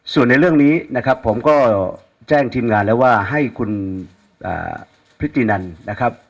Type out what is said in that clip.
ส่วนในเรื่องนี้นะครับผมก็แจ้งทีมงานแล้วว่าให้คุณพฤตินันนะครับ